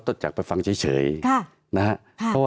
ตั้งแต่เริ่มมีเรื่องแล้ว